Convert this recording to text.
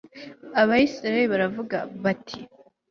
abayisraheli baravuga bati